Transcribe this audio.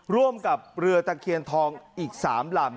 ร่วมกับเรือตะเคียนทองอีก๓ลำ